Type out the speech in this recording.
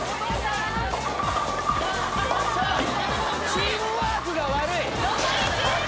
チームワークが悪い。